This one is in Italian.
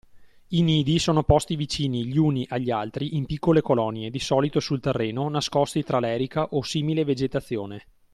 I nidi sono posti vicini gli uni agli altri, in piccole colonie, di solito sul terreno, nascosti tra l’erica o simile vegetazione.